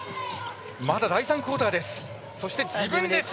まだ第３クオーターです。